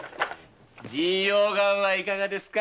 神陽丸はいかがですか？